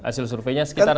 hasil surveinya sekitar